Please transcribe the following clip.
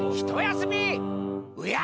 おや！